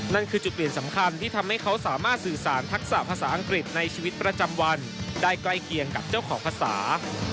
นั่นคือจุดเปลี่ยนสำคัญที่ทำให้เขาสามารถสื่อสารทักษะภาษาอังกฤษในชีวิตประจำวันได้ใกล้เคียงกับเจ้าของภาษา